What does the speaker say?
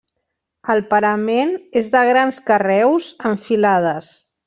El parament és de grans carreus en filades.